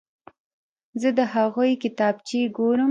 زه د هغوی کتابچې ګورم.